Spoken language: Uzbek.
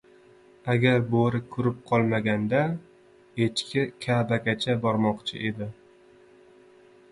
• Agar bo‘ri ko‘rib qolmaganida echki Ka’bagacha bormoqchi edi.